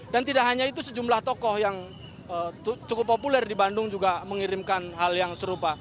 dan tidak hanya itu sejumlah tokoh yang cukup populer di bandung juga mengirimkan hal yang serupa